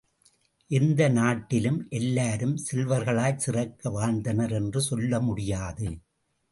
எந்த நாட்டிலும் எல்லாரும் செல்வர்களாய்ச் சிறக்க வாழ்ந்தனர் என்று சொல்ல முடியாது.